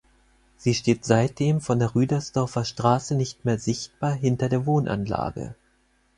Sie steht seitdem von der Rüdersdorfer Straße nicht mehr sichtbar hinter der Wohnanlage.